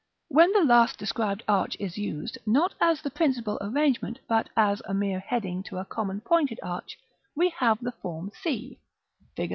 When the last described arch is used, not as the principal arrangement, but as a mere heading to a common pointed arch, we have the form c, Fig.